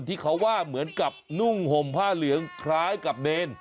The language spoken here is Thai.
ที่เขาว่าเหมือนกับนุ่งห่มผ้าเหลืองคล้ายกับเนร